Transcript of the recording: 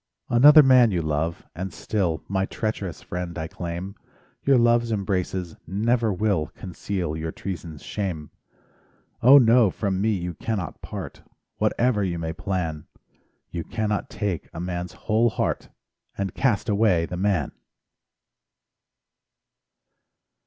Another man you love, and still My treacherous friend I claim; Your love's embraces never will Conceal your treason's shame. Oh no! from me you cannot part, Whatever you may plan; You cannot take a man's whole heart And cast away the man.